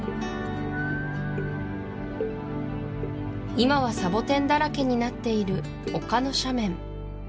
今はサボテンだらけになっている丘の斜面